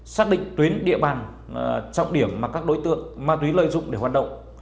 xác định tuyến địa bàn trọng điểm mà các đối tượng ma túy lợi dụng để hoạt động